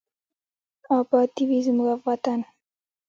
اباد دې وي زموږ وطن.